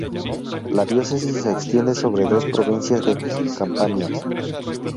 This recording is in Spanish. La diócesis se extiende sobre dos provincias de Campania.